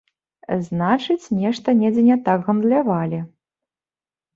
Значыць, нешта недзе не так гандлявалі.